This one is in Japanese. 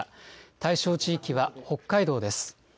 対象地域は北海道です。